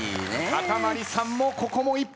かたまりさんもここも一本。